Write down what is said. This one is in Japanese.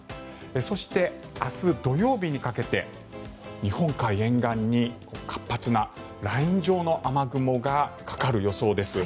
そして、明日、土曜日にかけて日本海沿岸に活発なライン状の雨雲がかかる予想です。